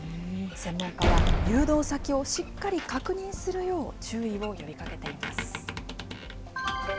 専門家は、誘導先をしっかり確認するよう、注意を呼びかけています。